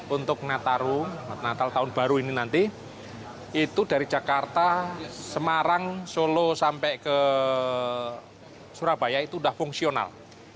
untuk natal tahun baru ini nanti itu dari jakarta semarang solo sampai ke surabaya itu sudah fungsional